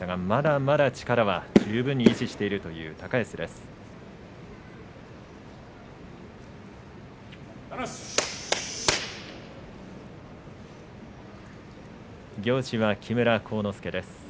まだまだ力は十分に維持しているという高安です。